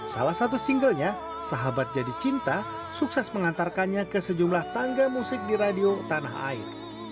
salah satu singlenya sahabat jadi cinta sukses mengantarkannya ke sejumlah tangga musik di radio tanah air